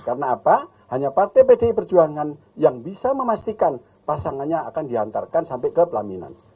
karena apa hanya partai pdi perjuangan yang bisa memastikan pasangannya akan diantarkan sampai ke pelaminan